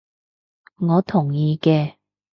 我同意嘅